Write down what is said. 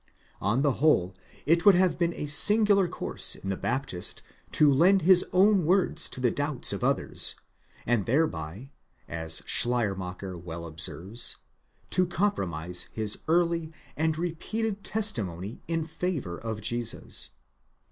On the whole, it would have been a singular course in the Baptist to lend his own words to the doubts of others, and thereby, as Schleiermacher well observes, to compromise his early and repeated testimony in favour of Jesus.